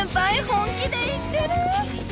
本気で言ってる？